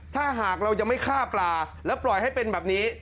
ถ้าหากเรายังไม่ฆ่าปลาแล้วปล่อยให้เป็นแบบนี้